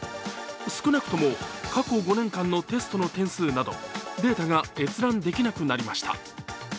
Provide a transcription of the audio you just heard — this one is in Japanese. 少なくとも過去５年間のテストの点数などデータが閲覧できなくなりました。